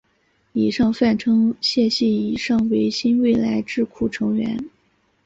以上泛称谢系以上为新未来智库成员。